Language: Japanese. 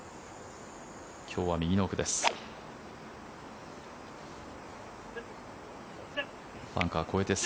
今日は右の奥です。